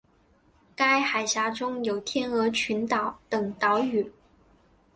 该海峡中有天鹅群岛等岛屿。